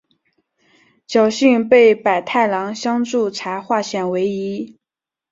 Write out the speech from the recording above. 侥幸被百太郎相助才化险为夷。